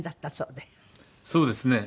そうですね。